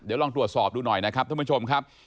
เดี๋ยวลองตรวจสอบดูหน่อยนะครับท่านผู้ชมครับ